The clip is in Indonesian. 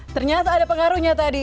ternyata ada pengaruhnya tadi